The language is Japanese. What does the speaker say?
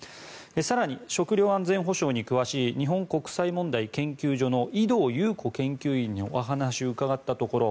更に食糧安全保障に詳しい日本国際問題研究所の井堂有子研究員にお話を伺ったところ